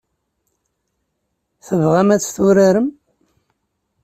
Tebɣam ad tt-turarem?